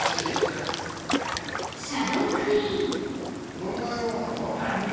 こんな色なんだ。